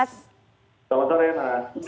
selamat sore mas